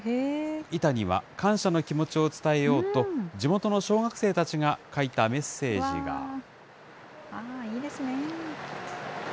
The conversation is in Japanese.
板には感謝の気持ちを伝えようと、地元の小学生たちが書いたメッセいいですね。